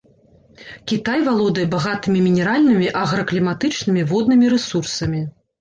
Кітай валодае багатымі мінеральнымі, агракліматычнымі, воднымі рэсурсамі.